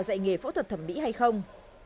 dạy nghề phẫu thuật thẩm mỹ hay không